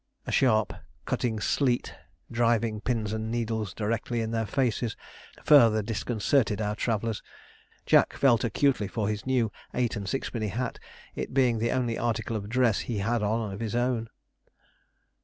A sharp, cutting sleet, driving pins and needles directly in their faces, further disconcerted our travellers. Jack felt acutely for his new eight and sixpenny hat, it being the only article of dress he had on of his own.